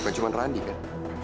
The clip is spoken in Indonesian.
bukan cuma randi kan